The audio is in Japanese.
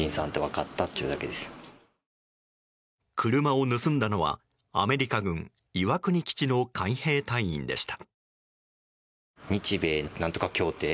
車を盗んだのはアメリカ軍岩国基地の海兵隊員でした。